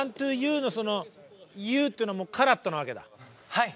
はい。